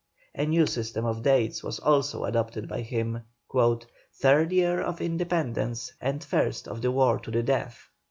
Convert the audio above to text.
A new system of dates was also adopted by him: "Third year of Independence and first of the War to the Death."